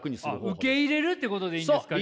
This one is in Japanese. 受け入れるってことでいいんですか？